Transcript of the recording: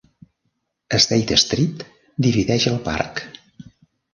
State Street divideix el parc.